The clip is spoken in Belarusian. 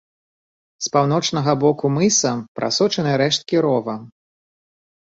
З паўночнага боку мыса прасочаны рэшткі рова.